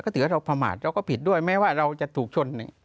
ถือว่าเราประมาทเราก็ผิดด้วยแม้ว่าเราจะถูกชน